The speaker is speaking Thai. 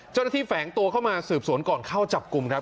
เจ้าหน้าที่แฝงตัวเข้ามาสืบศูนย์ก่อนเข้าจับกลุ่มครับ